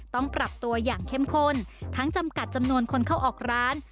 ต้องปรับตัวอย่างเข้มข้นทั้งจำกัดจำนวนคนเข้าออกร้าน